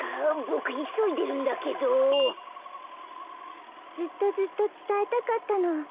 ボクいそいでるんだけど。ずっとずっとつたえたかったの。